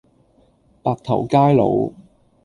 白頭偕老